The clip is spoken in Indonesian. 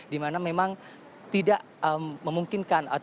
di mana memang tidak memungkinkan